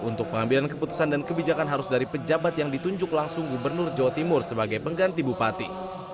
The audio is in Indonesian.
untuk pengambilan keputusan dan kebijakan harus dari pejabat yang ditunjuk langsung gubernur jawa timur sebagai pengganti bupati